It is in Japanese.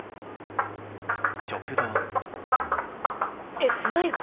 えっ迷子？